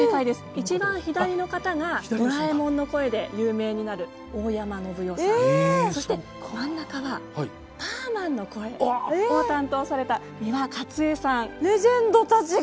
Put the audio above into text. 一番左の方が「ドラえもん」の声で有名になるそして真ん中はパーマンの声を担当されたレジェンドたちが！